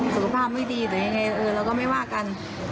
สุขภาพไม่ดีหรือยังไงเออเราก็ไม่ว่ากัน